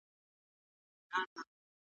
خلګ د خوښیو پر مهال شراب څښي.